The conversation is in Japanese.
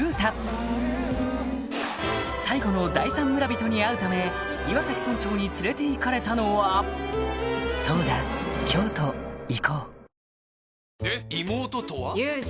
こう最後の第三村人に会うため岩崎村長に連れて行かれたのはそうだ京都行